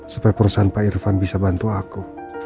supaya perusahaan pak irfan bisa bantu aku